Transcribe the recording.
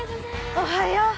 おはよう。